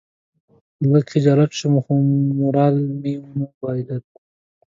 لږ خجالت شوم خو مورال مې ونه بایلود.